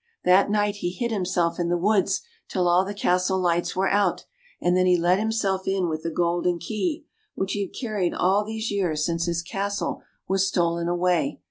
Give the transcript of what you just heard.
That night he hid himself in the woods till all the castle lights were out, and then he let himself in with the golden key, which he had carried all these years since his castle was stolen away.